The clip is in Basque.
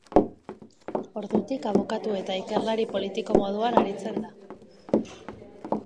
Ordutik abokatu eta ikerlari politiko moduan aritzen da.